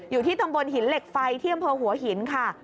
อยู่ที่ตรงบนหินเหล็กไฟเที่ยมพอหัวหินค่ะ